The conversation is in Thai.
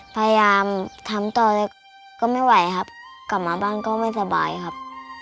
พยายามทำต่อเลยก็ไม่ไหวครับกลับมาบ้านก็ไม่สบายครับ